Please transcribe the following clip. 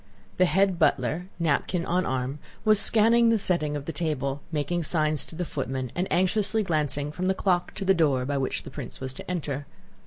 The head butler, napkin on arm, was scanning the setting of the table, making signs to the footmen, and anxiously glancing from the clock to the door by which the prince was to enter.